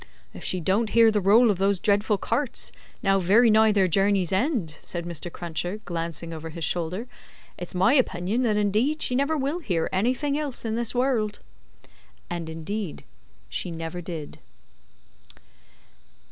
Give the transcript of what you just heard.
"If she don't hear the roll of those dreadful carts, now very nigh their journey's end," said Mr. Cruncher, glancing over his shoulder, "it's my opinion that indeed she never will hear anything else in this world." And indeed she never did.